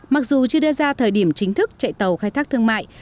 mặc dù chưa đưa ra thời điểm chính thức chạy tàu khai thác thương mại